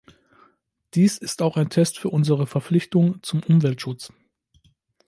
Dies ist auch ein Test für unsere Verpflichtung zum Umweltschutz.